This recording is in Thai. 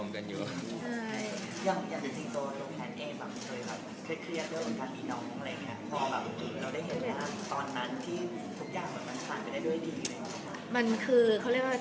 ก็เรียกว่า